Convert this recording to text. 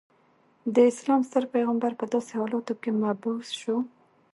د اسلام ستر پیغمبر په داسې حالاتو کې مبعوث شو.